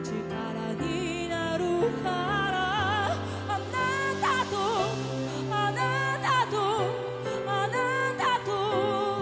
「あなたとあなたとあなたと歌おう」